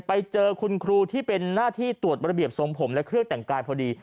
ไปเจอคุณครูที่เป็นหน้าที่ตรวจระเบียบทรงผมและเครื่องแต่งกายพอดี